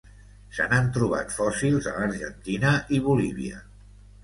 Se n'han trobat fòssils a l'Argentina i Bolívia.